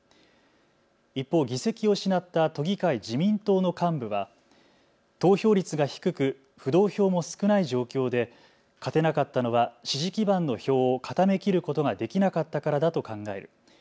一方、議席を失った都議会自民党の幹部は投票率が低く浮動票も少ない状況で勝てなかったのは支持基盤の票を固めきることができなかったからだと考える。